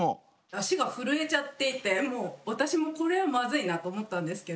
足が震えちゃっていてもう私もこれはまずいなと思ったんですけど。